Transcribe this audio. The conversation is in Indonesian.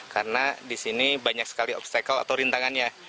karena di sini banyak sekali obstacle atau rintangannya